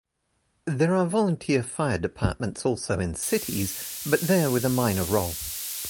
There are volunteer fire departments also in cities, but there with a minor role.